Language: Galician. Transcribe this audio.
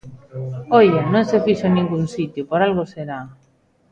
¡Oia!, non se fixo en ningún sitio, por algo será.